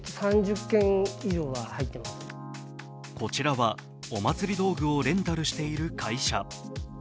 こちらは、お祭り道具をレンタルしている会社。